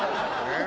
えっ！